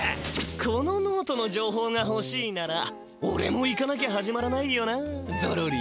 このノートのじょうほうがほしいならおれも行かなきゃ始まらないよなゾロリ。